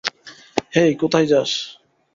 হেই, কোথায় যাস?